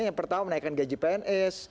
yang pertama menaikkan gaji pns